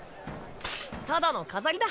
ただの飾りだ。